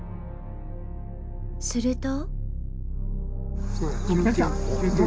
すると。